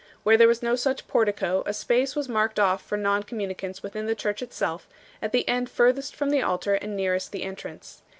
Where there was no such portico a space was marked off for non communicants within the church itself, at the end furthest from the altar and nearest the entrance.